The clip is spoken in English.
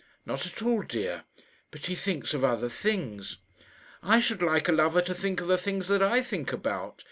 "Not at all, dear; but he thinks of other things." "I should like a lover to think of the things that I think about.